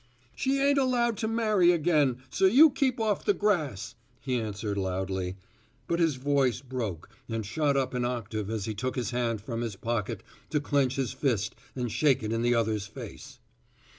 "She ain't allowed to marry again, so you keep off the grass," he answered loudly, but his voice broke and shot up an octave as he took his hand from his pocket to clench his fist and shake it in the other's face.